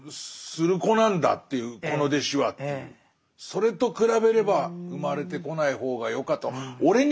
それと比べれば生まれてこない方がよかった。